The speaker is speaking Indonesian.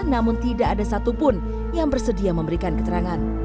namun tidak ada satupun yang bersedia memberikan keterangan